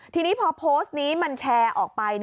ทีนี้พอโพสต์นี้มันแชร์ออกไป